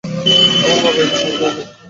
আমার বাবা বিষপান করেছে।